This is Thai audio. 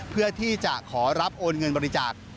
เพื่อที่จะขอรับโอนเงินบริจาค